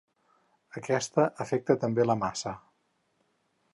Aquesta afecta també la massa.